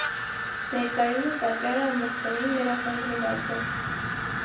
Ներկայումս տաճարը ամբողջովին վերականգնված է։